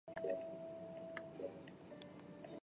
软体动物吃下软体动物或受污染的饮水或生菜而得病。